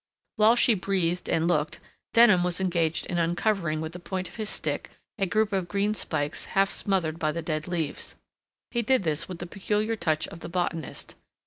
While she breathed and looked, Denham was engaged in uncovering with the point of his stick a group of green spikes half smothered by the dead leaves. He did this with the peculiar touch of the botanist.